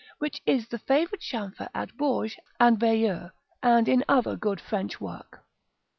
which is the favorite chamfer at Bourges and Bayeux, and in other good French work.